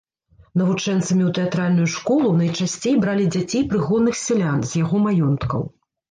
Навучэнцамі ў тэатральную школу найчасцей бралі дзяцей прыгонных сялян з яго маёнткаў.